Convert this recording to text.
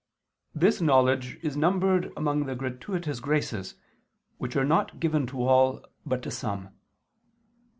This knowledge is numbered among the gratuitous graces, which are not given to all, but to some.